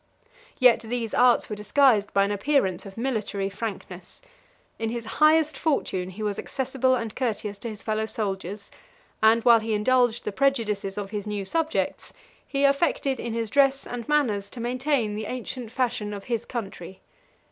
Yet these arts were disguised by an appearance of military frankness: in his highest fortune, he was accessible and courteous to his fellow soldiers; and while he indulged the prejudices of his new subjects, he affected in his dress and manners to maintain the ancient fashion of his country.